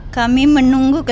tapi aku takut